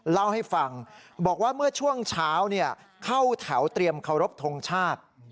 เล่าให้ฟังบอกว่าเมื่อช่วงเช้าเข้าแถวเตรียมเคารพทงชาติ